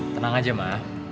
tenang aja ma